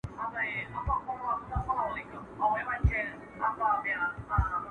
په امریکا کې د کیڼ لاسو کسانو شمېر ډېر دی.